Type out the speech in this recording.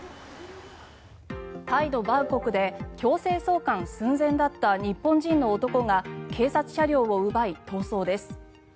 タイのバンコクで強制送還寸前だった日本人の男が警察車両を奪い、逃走です。